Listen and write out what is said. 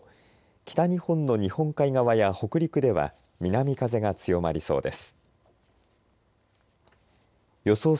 北日本の日本海側や北陸では南風が強まりそうです。